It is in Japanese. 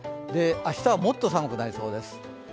明日はもっと寒くなりそうです。